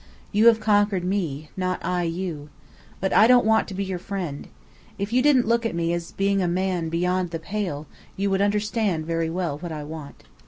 You have conquered me, not I you. But I don't want to be your friend. If you didn't look at me as being a man beyond the pale, you would understand very well what I want."